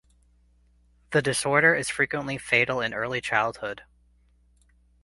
The disorder is frequently fatal in early childhood.